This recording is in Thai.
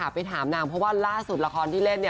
ไปถามนางเพราะว่าล่าสุดละครที่เล่น